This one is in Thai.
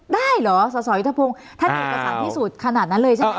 ได้เหรอสวรรค์ยุทธพงศ์อ่าท่านเอกสารพิสูจน์ขนาดนั้นเลยใช่ไหม